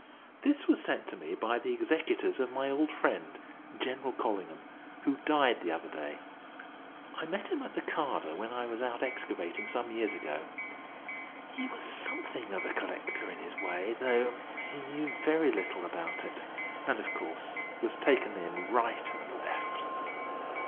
This was sent to me by the executors of my old friend, General Collingham, who died the other day. I met him at Nakada when I was out excavating some years ago. He was something of a collector in his way, though he knew very little about it, and, of course, was taken in right and left.